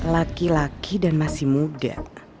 laki laki dan masih muda